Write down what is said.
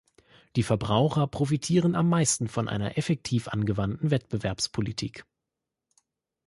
Die Verbraucher profitieren am meisten von einer effektiv angewandten Wettbewerbspolitik.